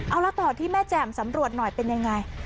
เอาละต่อที่แม่แจ่มสำรวจหน่อยเป็นยังไง